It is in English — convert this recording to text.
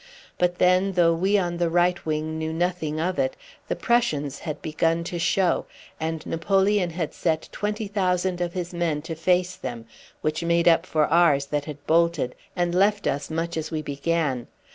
But then, though we on the right wing knew nothing of it, the Prussians had begun to show, and Napoleon had set 20,000 of his men to face them, which made up for ours that had bolted, and left us much as we began.